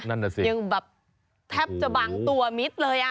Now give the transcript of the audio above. นั่นแน่ะสิแทบจะบางตัวมิตรเลย